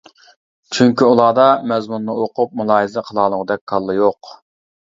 چۈنكى ئۇلاردا مەزمۇننى ئوقۇپ مۇلاھىزە قىلالىغۇدەك كاللا يوق.